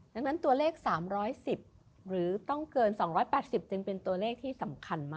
ดังนั้นตัวเลข๓๑๐หรือต้องเกิน๒๘๐จึงเป็นตัวเลขที่สำคัญมาก